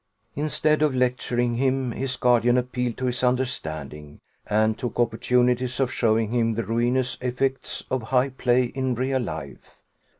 Instead of lecturing him, his guardian appealed to his understanding, and took opportunities of showing him the ruinous effects of high play in real life.